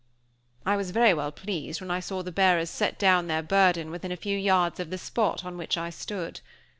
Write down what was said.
I was very well pleased when I saw the bearers set down their burthen within a few yards of the spot on which I stood.